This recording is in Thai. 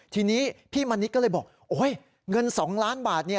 ทีนี้พี่มณิชย์ก็เลยบอกโอ๊ยเงิน๒ล้านบาท